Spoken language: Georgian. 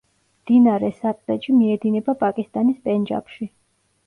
მდინარე სატლეჯი მიედინება პაკისტანის პენჯაბში.